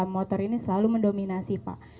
motor ini selalu mendominasi pak